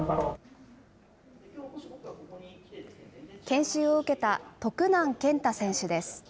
研修を受けた徳南堅太選手です。